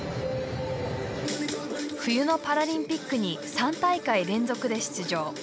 冬のパラリンピックに３大会連続で出場。